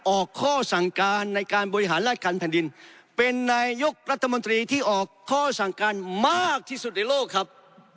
ออกข้อสั่งการในการบริหารราชการแผ่นดินเป็นนายกรัฐมนตรีที่ออกข้อสั่งการมากที่สุดในโลกครับ